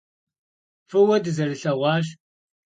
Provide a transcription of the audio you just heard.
F'ıue dızerılheğuaş.